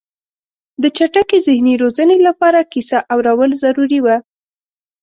د چټکې ذهني روزنې لپاره کیسه اورول ضروري وه.